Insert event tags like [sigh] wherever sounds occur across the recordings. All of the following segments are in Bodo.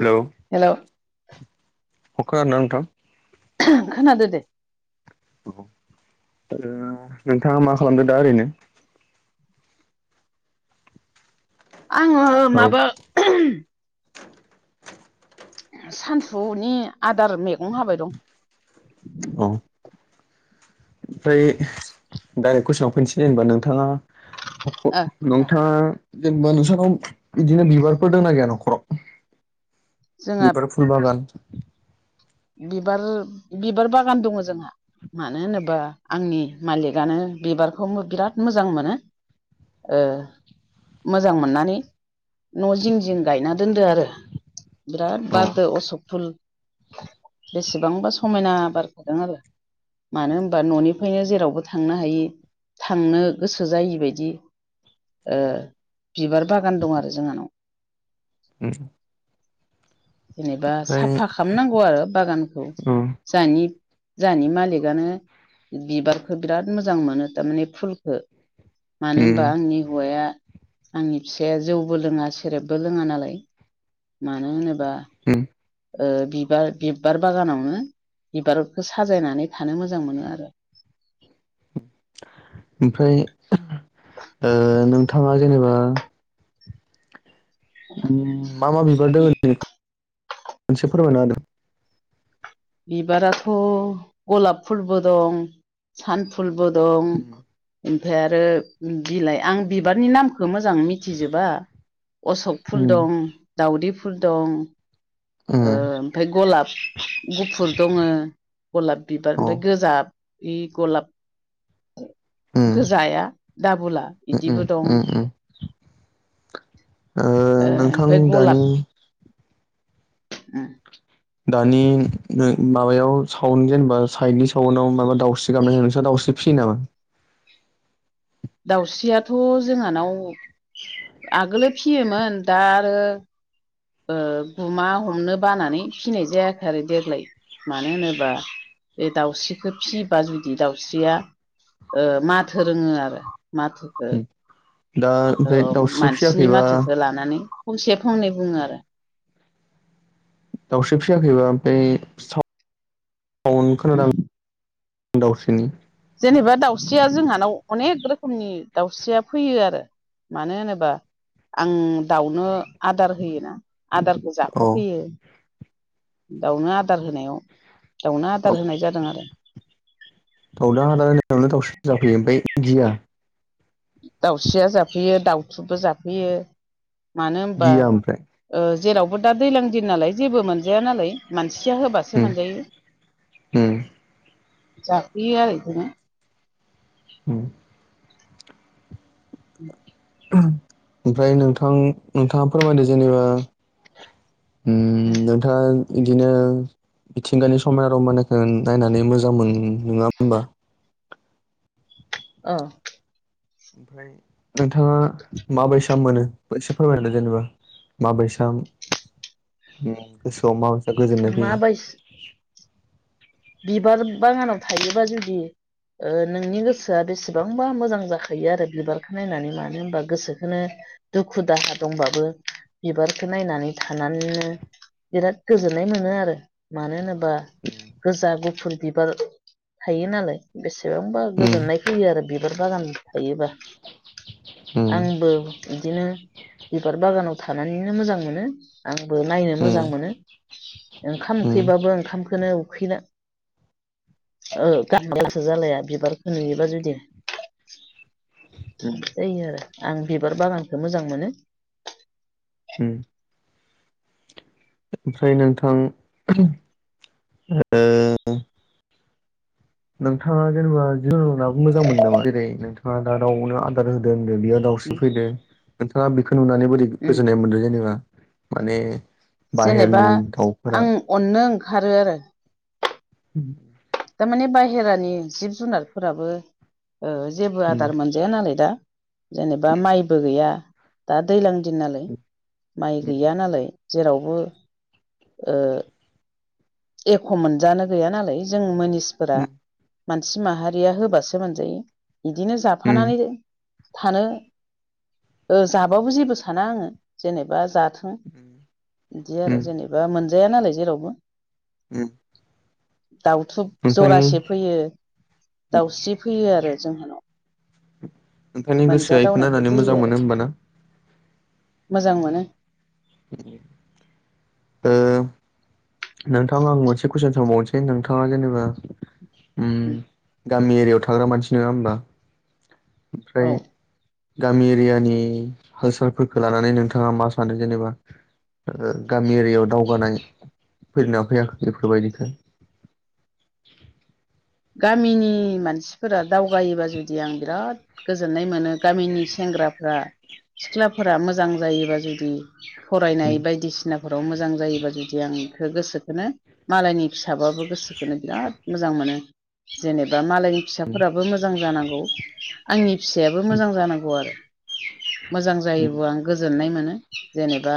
हेलौ हेलौ अखा हादों ना नोंथां [unintelligible] खोनादो दे [unintelligible] ओ नोंथाङा मा खालामदों दा ओरैनो आङो औ माबा सानसुनि आदार मैगं हाबाय दं औ ओमफ्राय दाइरेक कुइस'नाव फैनोसै होनबा नोंथाङा ओ [unintelligible] ओ नोंथां जेनेबा नोंसोरनाव बिदिनो बिबारफोर दंना गैया न'खराव जोंहा बिबारफो फुल बागान बिबार बिबार बागान दङ' जोंहा मानो होनोबा आंनि मालिगानो बिबारखौ बिराद मोजां मोनो ओ मोजां मोननानै न' जिं जिं गायना दोनदों आरो बिराद औ बारदो असक फुल [inaudible] बेसेबांबा समायना बारखादों आरो। मानो होनबा न'निफ्रायनो जेरावबो थांनो हायि थांनो गोसो जायिबायदि ओ बिबार बागान दं आरो जोंहानाव। [unintelligible] जेनेबा ओमफ्राय साफा खालामनांगौ आरो बागानखौ औ जाहानि जोहानि मालिकआनो बिबारखौ बिराद मोजां मोनो थारमाने फुलखौ मानो उम होनबा आंनि हौवाया आंनि फिसाया जौबो लोङा सेरेबबो लोङा नालाय मानो होनोबा ओम ओ बिबार बिबार बागानावनो बिबारखौ साजायनानै थानो मोजां मोनो आरो। ओमफ्राय ओ नोंथाङा जेनेबा उम मा मा बिबार दङ [inaudible] फोरमायना होदो। बिबाराथ' गलाब फुलबो दं सान फुलबो दं होदो ओमफ्राय आरो बिलाइ आं बिबारनि नाम खो मोजां मिथिजोबा अशक फुल उम दं, दाउदै फुल दं। उम ओ ओमफाय गलाब गुफुर दङो गलाब अ बिबार ओमफाय गोजा। इ गलाप उम गोजाया दाबुला उम बिदिबो दं उम उम ओ नोंथां ओमफाय गलाब दानि ओ दानि माबायाव सावन जेनेबा साइडनि सावनाव माबा दाउस्रि गाबनाय नोंस्रा दाउस्रि फियो नामा? दाउस्रियाथ' जोंहानाव आगोलो फियोमोन दा आरो ओ गुमा हमनो बानानै फिनाय जायाखै आरो देग्लाय मानो होनोबा बे दाउस्रिखौ फियोबा जुदि दाउस्रिया ओ माथो रोङो आरो माथो दा ओ ओमफ्राय दाउस्रि मानसिनि फियाखैबा माथोखो लानानै फंसे फंनै बुङो आरो। दाउस्रि फियाखैबा ओमफाय सा वन उम खोनादां। दावउस्रिनि जेनेबा दाउस्रिया जोंहानाव अनेक रोखोमनि दाउस्रिया फैयो आरो। मानो होनोबा आं दाउनो आदार होयोना। आदारखौ औ जाफाफैयो। दाउनो आदार होनायाव दाउनो औ आदार होनाय जादों आरो। दाउनो आदार होनायावनो दाउस्रिया जाफैयो ओमफाय गिया? दाउस्रिया जाफैयो दाउथुबो जाफैयो मानो होमबा गिया ओमफ्राय ओ जेरावबो दा दैलां दिन नालाय जेबो मोनजाया नालाय। मानसिया होबासो उम मोनजायो उम जाफैयो आरो इदिनो। हुम। उम। ओमफ्राय नोंथां नोंथाङा फोरमायदो जेनेबा उम नोंथां इदिनो मिथिंगानि समायना रमायनाखो नायनानै मोजां मोन नोङा होमबा? अ'। ओमफ्राय नोंथाङा माबायसा मोनो एसे फोरमायदों जेनेबा माबैसाम उम गोसोआव माबैसा गोजोननाय फैयो? माबायस बिबार बागानाव थायोबा जुदि ओ नोंनि गोसोआ बेसेबांबा मोजां जाखायो आरो बिबारखो नायनानै मानो होमबा गोसोखोनो दुखु दाहा दंबाबो बिबारखो नायनानै थानानैनो बिराद गोजोननाय मोनो आरो मानो होनोबा उम। गोजा, गुफुर बिबार थायो नालाय। बेसेबांबा उम गोजोननाय फैयो आरो बिबार बागान थायोबा। उम आंबो इदिनो बिबार बागानाव थानानैनो मोजां मोनो आंबो नायनो उम मोजां मोनो। ओंखाम उम उम उखैबाबो ओंखामखोनो उखैना ओ [unintelligible] जालाया बिबारखौ नुयोबा जुदि। उम इदि जायो आरो आं बिबार बागानखो मोजां मोनो। ओमफ्राय नोंथां ओ ओ नोंथाङा जेनेबा जुनारबो मोजां मोनो नामा जेरै नोंथाङा दा दावनो आदार होदों होनदों बेयो दावस्रि फैदो नोंथाङा बेखो नुनानै बोरै उम गोजोननाय मोनदों जेनेबा! माने जेनेबा बाहेरनि दाउफोरा आं अननो ओंखारो आरो [unintelligible] तारमाने बाहेरानि जिब जुनारफोराबो ओ जेबो उम आदार मोन गैया नालाय दा जेनेबा माइबो गैया दा दैलां दिन नालाय माइ गैया उम नालाय जेरावबो ओ एख' मोनजानो गैया नालाय जों मोनिसफोरा मानसि माहारिया होबासो मोनजायो। इदिनो उम जाफानानै थानो ओ जाबाबो जेबो साना आङो जेनेबा जाथ इदि उम आरो उम जेनेबा मोनजाया नालाय जेरावबो। उम। दाउथुब जरासे नोंथांनि फैयो, दाउस्रि फैयो आरो जोंहानाव। नोंथांनि गोसोआ इखो मोनजादावनायखौ नायनानै फैयो मोजां आरो मोनो होमबाना! मोजां मोनो। [unintelligible] ओ नोंथां आं मोनसे कुइसन सोंबावनोसै नोंथाङा जेनेबा उम [unintelligible] गामि एरियायाव थाग्रा मानसि नङा होमबा! औ ओमफ्राय गामि एरियानि हाल-सालफोरखौ लानानै नोंथाङा मा सानो जेनेबा? गामि एरियायाव दावगानाय फैदोंना फैयाखै बेफोरबायदिखौ गामिनि मानसिफोरा दावगायोबा जु दि आं बिराद गोजोननाय मोनो गामिनि सेंग्राफ्रा सिख्लाफोरा मोजां जायोबा जुदि उम फरायनाय बायदिसिनाफोराव मोजां जायोबा जुदि आं इखो गोसोखोनो मालायनि फिसाबाबो गोसोखोनो बिराद मोजां मोनो जेनेबा मालायनि फिसाफोराबो मोजां जानांगौ आंनि फिसायाबो मोजां जानांगौ आरो। मोजां उम जायोबो आं गोजोननाय मोनो। जेनेबा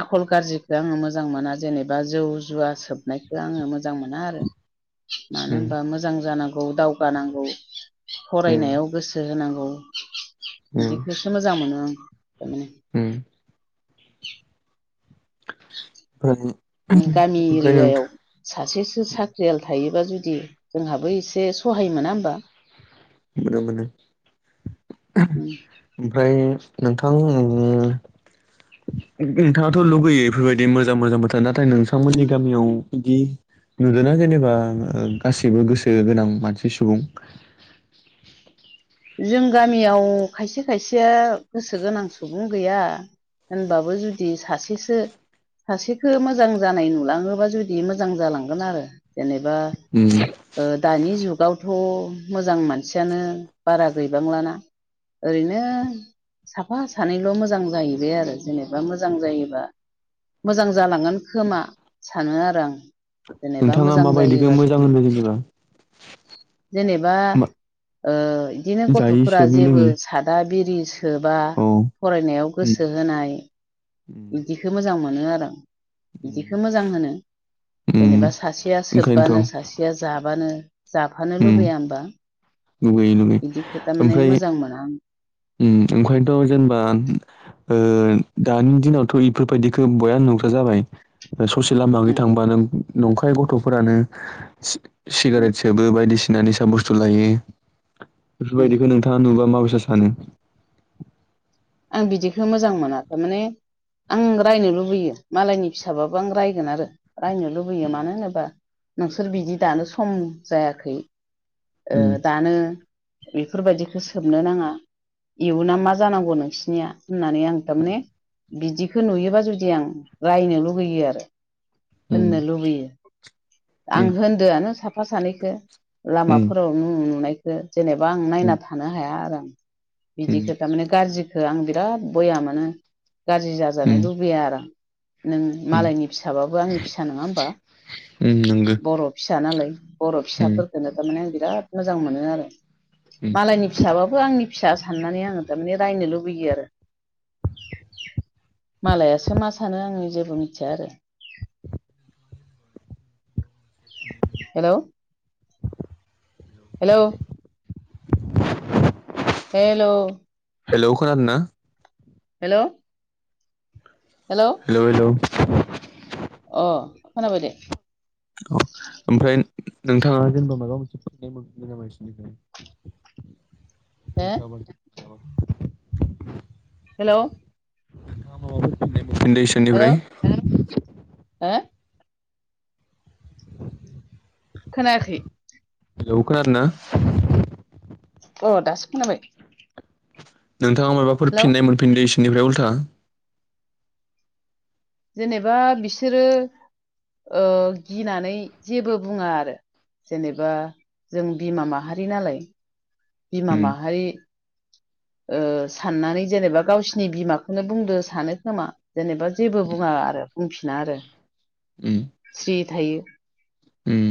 आख ल गाज्रिखौ आङो मोजां मोना जेनेबा जौ जुवा सोबनायखौ आङो मोजां मोना आरो। मानो उम होनबा मोजां जानांगौ दावगानांगौ। उम फरायनायाव गोसो होनांगौ उम बिदिखौसो मोजां मोनो आं। थारमाने [unintelligible] [unintelligible] गामि ओमफ्राय एरियायाव नोंथां सासेसो साख्रियाल थायोबा जुदि, जोंहाबो एसे सहाय मोना होमबा! मोनो मोनो उम ओमफ्राय नोंथां उम नोंथाङाथ' लुगैयो इफोरबायदि मोजां मोजां बाथ्रा नाथाय उम नोंथांमोननि गामियाव बिदि नुदोंना जेनेबा ओ गासिबो गोसो गोनां मानसि सुबुं जों गामियाव खायसे खायसेया गोसो गोनां सुबुं गैया। होनबाबो जुदि सासेसो सासेखौ मोजां जानाय नुलाङोबा जुदि मोजां जालांगोन आरो। जेनेबा उम दानि जुगावथ' मोजां मानसियानो बारा गैबांलाना ओरैनो साफा सानैल' मोजां जाहैबाय आरो जेनेबा मोजां जायोबा मोजां जालांगोन खोमा सानो आरो आं। जेनेबा नोंथाङा मोजां माबायदिखौ जायोबा मोजां जुदि होनदों जेनेबा जेनेबा बिदिनो जायै गथ'फोरा सोबै जेबो लोङि सादा बिरि सोब्ला औ फरायनायाव गोसो होनाय उम बिदिखौ मोजां मोनो आरो आं बिदिखौ मोजां होनो। उम जेनेबा सासेया सोबबानो ओंखायनोथ' सासे [unintelligible] जाबानो जाफानो उम लुबैया होमबा! लुगैयै लुगैयै बिदिखो था माने मोजां मोनां आं ओ ओंखायनोथ' जेनेबा ओ दानि दिनावथ' इफोरबायदिखौ बया नुग्रा जाबाय ससे लामाखै उम थांबानो नंखाय गथ'फोरानो सि उम सिगारेट सोबो बायदिसिना निसा बुस्थु लायो उम बेफोरबायदिखौ नोंथां नुबा माबायसा सानो? आं बिदिखौ मोजां मोना। थारमाने आं रायनो लुबैयो मालायनि फिसाबाबो आं रायगोन आरो रायनो लुबैयो उम मानो होनोबा नोंसोर बिदि दानो सम जायाखै ओ उम दानो बेफोरबायदिखौ सोबनो नाङा, इयुना मा जानांगौ नोंसिनिया होननानै आं थारमाने बिदिखौ नुयोबा जुदि आं रायनो लुगैयो आरो। उम होननो लुबैयो आं उम होनदोआनो साफा सानैखो उम लामाफोराव नु नुनायखौ जेनेबा आं नायना थानो हाया आरो आं उम बिदिखो थारमाने गाज्रिखो आं बिराद बया मानो गाज्रि जा जानो उम लुबैया आरो आं। नों उम मालायनि फिसाबाबो आंनि फिसा नङा होमबा। उम नोंगो। बर' फिसा नालाय बर' फिसाफोर बेनिखायनो बिराद मोजां मोनो आरो उम मालायनि फिसाबाबो आंनि फिसा साननानै आङो थारमाने रायनो लु गोयो आरो मालायसो मा सानो आं जेबो मिथिया आरो। हेल' हेल' हेल' हेलौ खोनादों ना? हेल' हेल' हेल' हेल' अ खोनाबाय दे। ओमफ्राय नोंथाङा जेनेबा माबा मोनसे फिननाय मोनफिनो नामा बिसिनिफ्राय [inaudible] [inaudible] हेल' नोंथाङा माबाफोर [unintelligible] [inaudible] हेल' हो खोनायाखै हेलौ खोनादोंना? अ दासो खोनाबाय। नोंथाङा माबाफोर हेलौ फिननाय मोनफिनदों इसोरनिफ्राय उल्था? जेनेबा बिसोरो ओ गिनानै जेबो बुङा आरो। जेनेबा जों बिमा माहारि नालाय बिमा उम माहारि ओ साननानै जेनेबा गावसिनि बिमाखौनो बुंदो सानो खोमा। जेनेबा जेबो उम बुङा आरो बुंफिना आरो उम स्रि थायो। उम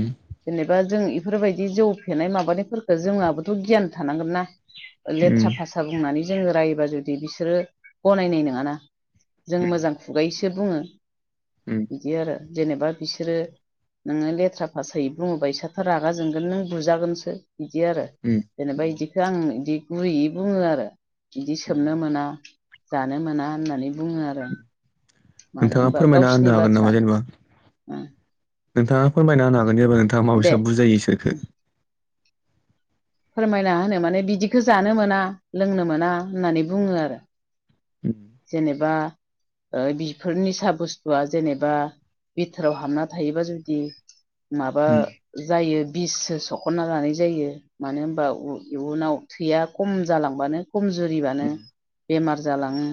जेनेबा जों इफोरबायदि जौ फेनाय माबानायफोर जोंहाबोथ' गियान थानांगोन ना लेथ्रा भासा बुंनानै जोङो रायोबा जुदि बिसोरो गनायनाय नङाना। जों मोजां खुगायैसो बुङो उम बिदि आरो जेनेबा बिसोरो नोङोे लेथ्रा भासायै बुङोबा इसोथ' रागा जोंगोन नों बुजागोनसो इदि आरो उम जेनेबा उम बिदिखौ आं बिदि गुरैयै बुङो आरो बिदि उम सोबनो मोना। जानो मोना होननानै बुङो आरो। मानो नोंथाङा होनबा फोरमायना होनो गावसिनि हागोन बाथ्रा नामा जेनेबा? नोंथाङा फोरमायना होनो हागोन जेनबा नोंथाङा दे माबायसा बुजायो इसोरखौ? फोरमायना होनोनाय माने बिदिखो जानो मोना लोंनो मोना होननानै बुङो आरो। [inaudible] जेनेबा ओ बिफोर निसा बुस्थुआ जेनेबा बिथोराव हाबना थायोबा जुदि माबा उम जायो बिससो सख'नना लानाय जायो। मानो होनबा उ इयुनाव थैया खम जालांबानो उम खमजुरिबानो बेमार जालाङो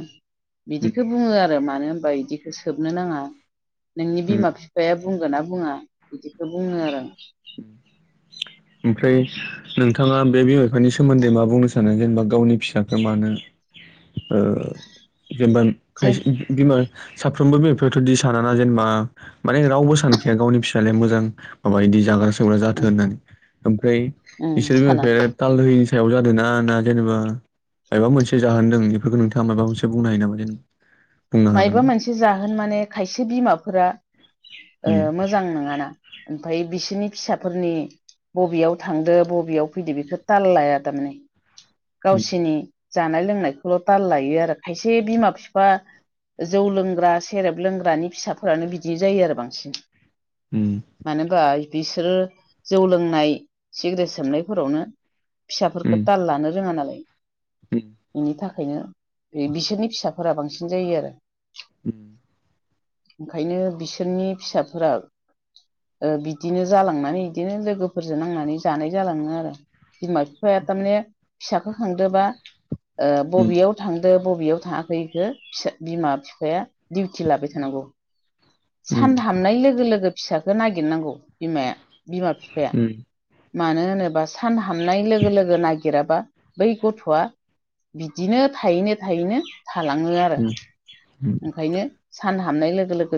उम बिदिखौ बुङो आरो मानो होनबा इदिखौ सोबनो नाङा नोंनि उम बिमा बिफाया बुंगोन ना बुङा बिदिखौ बुङो आरो आं। उम। ओमफ्राय नोंथाङा बे बिमा बिफानि सोमोन्दै मा बुंनो सानो जेनेबा गावनि फिसाखौ मानो ओ जेनेबा जेन खायसे बिमा साफ्रोमबो बिमा बिफायाथ' बिदि सानाना जेनेबा। माने रावबो सानखाया गावनि फिसालाया मोजां माबा इदि जाग्रा सोबग्रा उम जाथों होननानै ओमफ्राय उम बिसोर बिमा साना बिफाया ताल होयिनि सायाव जादों ना ना जेनेबा मायबा मोनसे जाहोनदों बेफोरखौ नोंथाङा माबा मोनसे बुंनो हायो नामा जेन मायबा मोनसे जाहोन माने खायसे बिमाफोरा उम मोजां नङाना। ओमफ्राय बिसोरनि फिसाफोरनि बबेयाव थांदो बबेयाव फैदो बेखौ ताल लाया थारमाने। गावसिरनि जानाय लोंनायखौल' ताल लायो आरो खायसे बिमा फिफा जौ लोंग्रा सेरेब लोंग्रानि फिसाफोरानो बिदिनो जायो आरो बांसिन। उम मानोबा बिसोरो जौ लोंनाय सिग्रेट सोमनायफोरावनो फिसाफोरखौ उम ताल लानो रोङा नालाय उम बेनि थाखाय। थाखायनो बिसोरनि फिसाफोरा बांसिन जायो आरो। ह ओंखायनो बिसोरनि फिसाफोरा बिदिनो जालांनानै बिदिनो लोगोफोरजों नांनानै जानाय जालाङो आरो बिमा बिफाया थारमाने फिसाखौ खांदोबा ओ उम बबेयाव थांदो बबेयाव थाङाखै बेखौ फिसा बिमा बिफाया दिउटि लाबाय थानांगौ। उम सान हाबनाय लोगो लोगो फिसखौ नागिरनांगौ बिमाया बिमा बिफाया। मानो होनोबा सान हाबनाय लोगो लोगो नागेराबा बै गथ'आ बिदिनो थायैनो थायैनो थालाङो आरो उम ओंखायनो सान हाबनाय लोगो लोगो